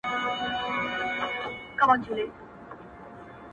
ښه پوهېږم بې ګنا یم بې ګنا مي وړي تر داره,